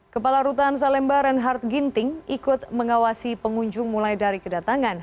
kepala rutan salemba reinhard ginting ikut mengawasi pengunjung mulai dari kedatangan